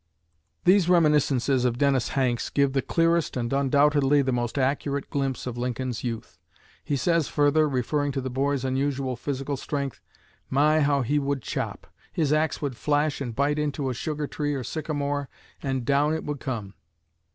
These reminiscences of Dennis Hanks give the clearest and undoubtedly the most accurate glimpse of Lincoln's youth. He says further, referring to the boy's unusual physical strength: "My, how he would chop! His axe would flash and bite into a sugar tree or sycamore, and down it would come.